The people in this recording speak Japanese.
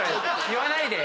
言わないで。